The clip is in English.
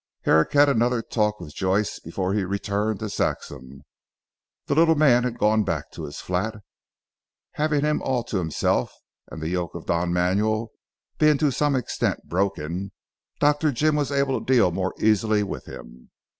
Herrick had another talk with Joyce before he returned to Saxham. The little man had gone back to his flat. Having him all to himself, and the yoke of Don Manuel being to some extent broken, Dr. Jim was able to deal more easily with him.